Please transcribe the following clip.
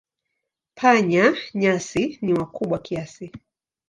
Panya-nyasi ni wakubwa kiasi.